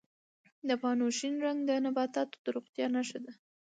د پاڼو شین رنګ د نباتاتو د روغتیا نښه ده.